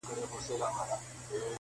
هم په غره هم په ځنګله کي کیسه سره سوه-